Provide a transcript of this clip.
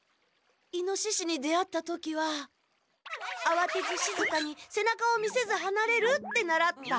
イノシシに出会った時はあわてずしずかにせなかを見せずはなれるって習った。